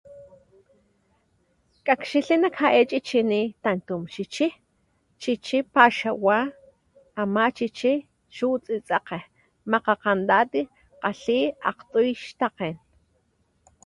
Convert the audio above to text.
Kgakxilhli nak ja´e chichini, tamtum chichí, chichí paxawa, ama chichí chu tsetsegke, makgagantati kgalhí akgtuy xtakgen.